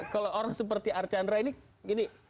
kalau orang seperti archandra ini gini